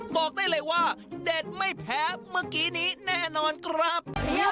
บอกได้เลยว่าเด็ดไม่แพ้เมื่อกี้นี้แน่นอนครับ